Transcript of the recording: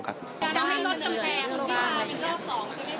จะไม่ลดสำแพงอีกรอบ๒ใช่ไหมครับ